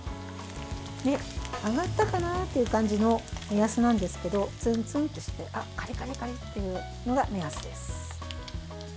揚がったかなという感じの目安なんですけどツンツンとしてカリカリカリッというのが目安です。